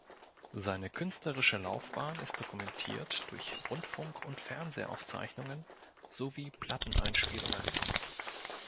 Seine künstlerische Laufbahn ist dokumentiert durch Rundfunk- und Fernsehaufzeichnungen sowie Platteneinspielungen.